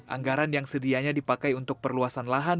anggaran yang sedianya dipakai untuk perluasan lahan